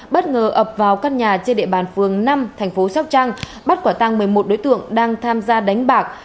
bất ngờ ập vào căn nhà trên địa bàn phường năm thành phố sóc trăng bắt quả tăng một mươi một đối tượng đang tham gia đánh bạc